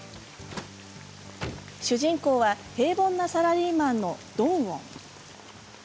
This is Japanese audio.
主人公は平凡なサラリーマンのドンウォン。